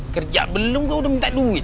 kerja belum gue udah minta duit